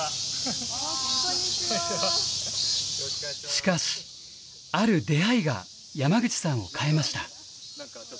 しかし、ある出会いが山口さんを変えました。